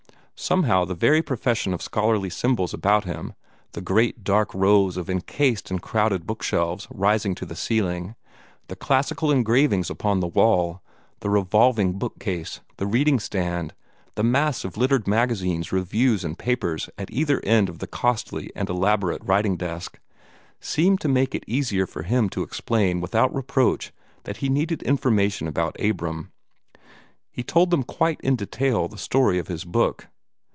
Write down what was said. Somehow the very profusion of scholarly symbols about him the great dark rows of encased and crowded book shelves rising to the ceiling, the classical engravings upon the wall, the revolving book case, the reading stand, the mass of littered magazines, reviews, and papers at either end of the costly and elaborate writing desk seemed to make it the easier for him to explain without reproach that he needed information about Abram. He told them quite in detail the story of his book.